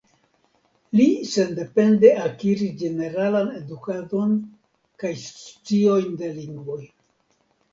Li sendepende akiris ĝeneralan edukadon kaj sciojn de lingvoj.